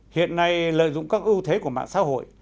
hiện nay lợi dụng các ưu thế của mạng xã hội